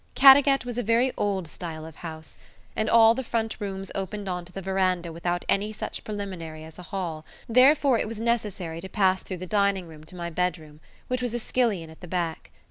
Caddagat was a very old style of house, and all the front rooms opened onto the veranda without any such preliminary as a hall, therefore it was necessary to pass through the dining room to my bedroom, which was a skillion at the back.